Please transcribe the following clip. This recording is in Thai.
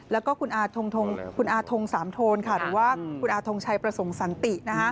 แล้วก็คุณอาทงสามโทนหรือว่าคุณอาทงชัยประสงค์สันติ